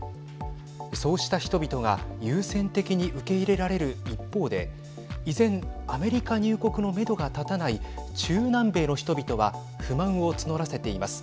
そうした人々が優先的に受け入れられる一方で依然、アメリカ入国のめどが立たない中南米の人々は不満を募らせています。